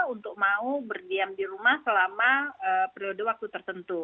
untuk mau berdiam di rumah selama periode waktu tertentu